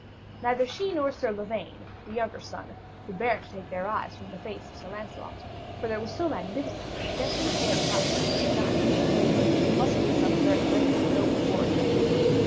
Neither she nor Sir Lavaine, the younger son, could bear to take their eyes from the face of Sir Lancelot; for there was so magnificent yet gentle an air about the great knight, that they deemed he must be some very brave and noble warrior.